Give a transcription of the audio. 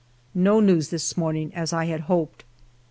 No news this morning, as I had hoped.